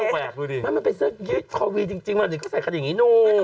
มันไปเสื้อยึดคอวีจริงเหมือนเดี๋ยวเขาใส่กันอย่างนี้นุ่ม